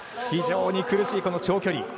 非常に苦しい長距離。